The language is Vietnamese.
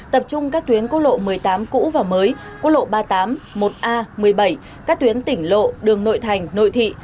tập trung các tuyến quốc lộ một mươi tám cũ và mới cốt lộ ba mươi tám một a một mươi bảy các tuyến tỉnh lộ đường nội thành nội thị